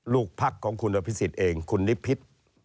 ลูกพักของคุณนพิษศิษฐ์เองคุณนิพิษฐ์